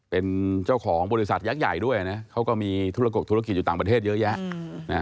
เป็นเจ้าของบริษัทยักษ์ใหญ่ด้วยนะเขาก็มีธุรกกธุรกิจอยู่ต่างประเทศเยอะแยะ